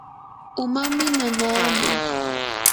umami nanaaman.